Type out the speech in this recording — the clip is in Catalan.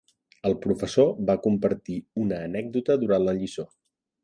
El professor va compartir una anècdota durant la lliçó.